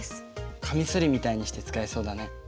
カミソリみたいにして使えそうだね。